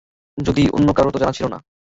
যদিও অন্য কারো তা জানা ছিল না।